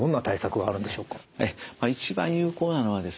一番有効なのはですね